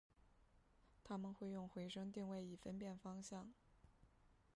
它们会用回声定位以分辨方向。